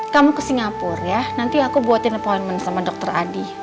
kamu ke singapura ya nanti aku buatin appointment sama dokter adi